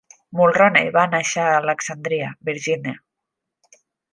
Mulroney va nàixer a Alexandria, Virgínia.